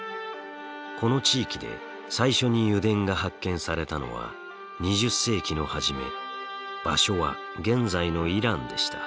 この地域で最初に油田が発見されたのは２０世紀の初め場所は現在のイランでした。